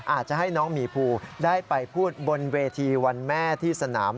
อาจจะให้น้องหมีภูได้ไปพูดบนเวทีวันแม่ที่สนาม